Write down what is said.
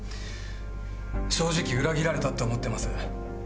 正直裏切られたって思ってます。